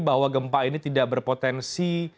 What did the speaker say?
bahwa gempa ini tidak berpotensi